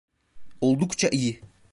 Oldukça iyi.